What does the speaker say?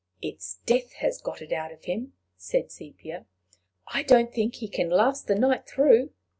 "It's death has got it out of him," said Sepia. "I don't think he can last the night through.